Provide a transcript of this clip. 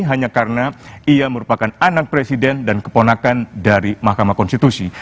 hanya karena ia merupakan anak presiden dan keponakan dari mahkamah konstitusi